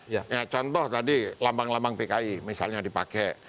ya contoh tadi lambang lambang pki misalnya dipakai